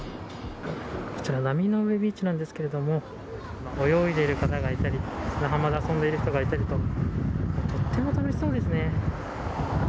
こちら波の上ビーチなんですけれども泳いでいる方がいたり砂浜で遊んでいる人がいたりととっても楽しそうですね。